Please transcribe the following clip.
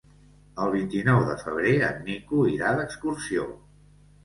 El vint-i-nou de febrer en Nico irà d'excursió.